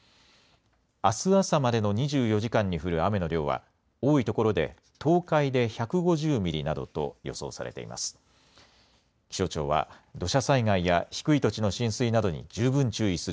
あす朝までの２４時間に降る雨の量は多いところで東海で１５０ミリなどと予想されています。